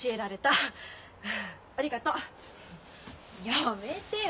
やめてよ。